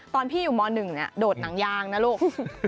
ตอนพี่อยู่ม๑โดดหนังยางนะลูก